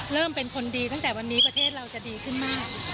เป็นคนดีตั้งแต่วันนี้ประเทศเราจะดีขึ้นมาก